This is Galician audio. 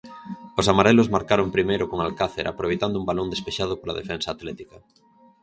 Os amarelos marcaron primeiro con Alcácer aproveitando un balón despexado pola defensa atlética.